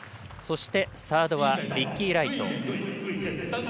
そして、サードはビッキー・ライト。